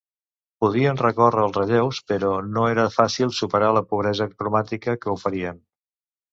Podien recórrer als relleus, però no era fàcil superar la pobresa cromàtica que oferien.